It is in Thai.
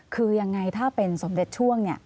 คือยังไงถ้าเป็นสมเด็จช่วงเนี่ย